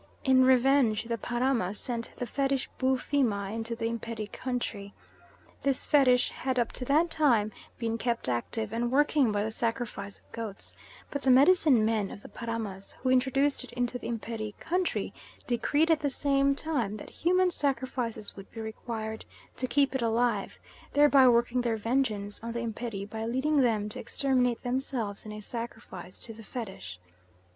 In revenge, the Paramas sent the Fetish Boofima into the Imperi country. This Fetish had up to that time been kept active and working by the sacrifice of goats, but the medicine men of the Paramas who introduced it into the Imperi country decreed at the same time that human sacrifices would be required to keep it alive, thereby working their vengeance on the Imperi by leading them to exterminate themselves in sacrifice to the Fetish.